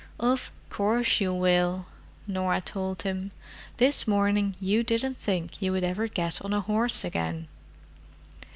"Of course you will," Norah told him. "This morning you didn't think you would ever get on a horse again."